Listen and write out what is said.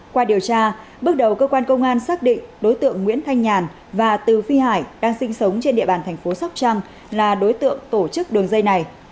qua điều tra bước đầu cơ quan công an xác định đối tượng nguyễn thanh nhàn và từ phi hải đang sinh sống trên địa bàn thành phố sóc trăng là đối tượng tổ chức đường dây này